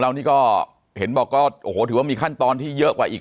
เพราะว่าวิธีการของเรานี่ก็ถือว่ามีขั้นตอนที่เยอะกว่าอีก